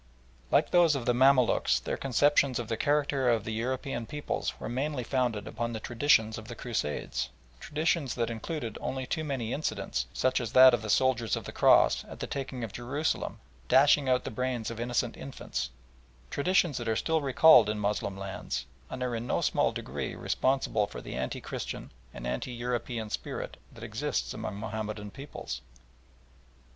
Like those of the Mamaluks their conceptions of the character of the European peoples were mainly founded upon the traditions of the Crusades traditions that included only too many incidents, such as that of the soldiers of the Cross, at the taking of Jerusalem, dashing out the brains of innocent infants; traditions that are still recalled in Moslem lands, and are in no small degree responsible for the anti Christian and anti European spirit that exists among Mahomedan peoples.